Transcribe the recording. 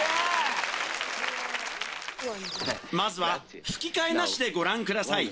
まずは吹き替えなしでご覧ください